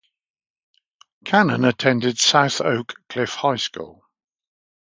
Cannon attended South Oak Cliff High School.